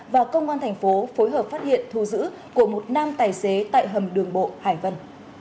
và công an thành phố phối hợp phát hiện thu giữ của một nam tài xế tại hầm đường bộ hải vân